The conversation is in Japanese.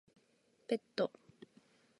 ペット